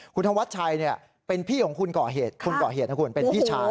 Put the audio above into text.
คุณธวัชชัยเป็นพี่ของคุณก่อเหตุคนก่อเหตุนะคุณเป็นพี่ชาย